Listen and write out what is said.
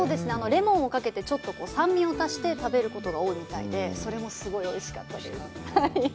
レモンをかけてちょっと酸味を足して食べることが多いみたいで、それもすごいおいしかったです。